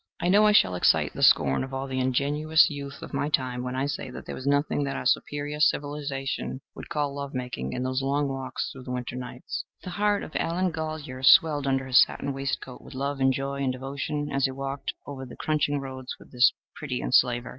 I know I shall excite the scorn of all the ingenuous youth of my time when I say that there was nothing that our superior civilization would call love making in those long walks through the winter nights. The heart of Allen Golyer swelled under his satin waistcoat with love and joy and devotion as he walked over the crunching roads with his pretty enslaver.